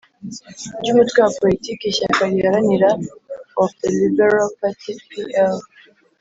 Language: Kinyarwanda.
ry umutwe wa politique ishyaka riharanira of the Liberal Party P L